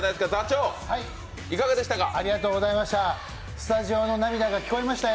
スタジオの涙が木越えましたよ